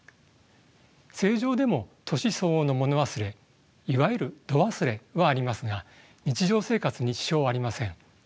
正常でも年相応のもの忘れいわゆる度忘れはありますが日常生活に支障はありません。